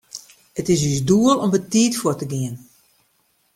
It is ús doel om betiid fuort te gean.